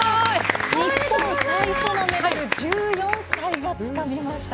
日本最初のメダル１４歳がつかみました。